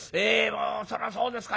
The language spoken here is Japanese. そらそうですか。